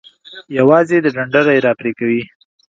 یوازې د ډنډره یی را پرې کوئ.